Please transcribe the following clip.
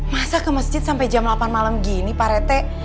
masa ke masjid sampai jam delapan malam gini pak rete